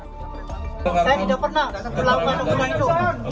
saya tidak pernah melakukan pembunuhan itu